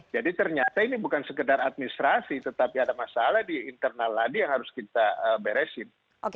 jadi ternyata ini bukan sekedar administrasi tetapi ada masalah di internal ladi yang harus kita beresin